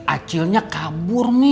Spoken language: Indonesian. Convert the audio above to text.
acilnya kabur mi